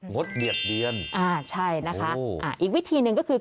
ดเบียดเบียนอ่าใช่นะคะอ่าอีกวิธีหนึ่งก็คือ